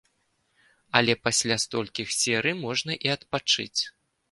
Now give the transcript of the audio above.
Але пасля столькіх серый можна і адпачыць.